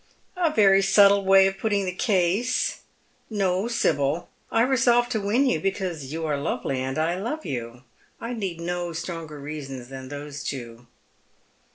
"A very subtle way of putting the case. No, Sibyl; I resolved to win you because you are lovely, and I love you. I need no fiftronger reasons than those two."